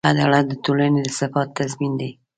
عدالت د ټولنې د ثبات تضمین دی.